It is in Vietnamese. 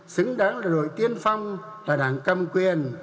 xứng đáng là đội tiên phong là đảng cầm quyền